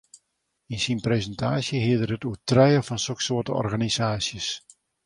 Yn syn presintaasje hie er it oer trije fan soksoarte organisaasjes.